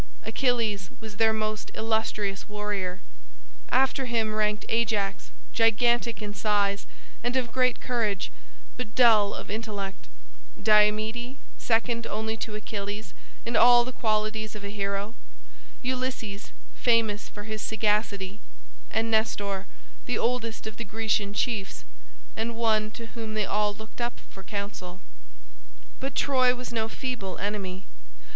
Achilles was their most illustrious warrior. After him ranked Ajax, gigantic in size and of great courage, but dull of intellect; Diomede, second only to Achilles in all the qualities of a hero; Ulysses, famous for his sagacity; and Nestor, the oldest of the Grecian chiefs, and one to whom they all looked up for counsel. But Troy was no feeble enemy.